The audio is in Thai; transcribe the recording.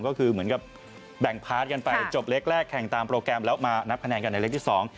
ก็คือเหมือนกับแบ่งพาร์ทกันไปจบเล็กแรกแข่งตามโปรแกรมแล้วมานับคะแนนกันในเล็กที่สอง